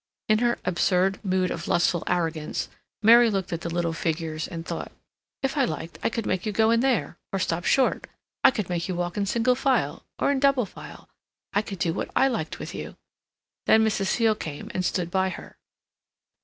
In her absurd mood of lustful arrogance, Mary looked at the little figures and thought, "If I liked I could make you go in there or stop short; I could make you walk in single file or in double file; I could do what I liked with you." Then Mrs. Seal came and stood by her.